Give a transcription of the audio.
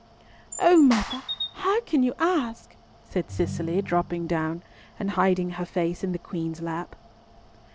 "O mother, how can you ask?" said Cicely, dropping down, and hiding her face in the Queen's lap.